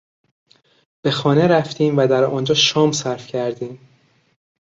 به خانه رفتیم و در آنجا شام صرف کردیم.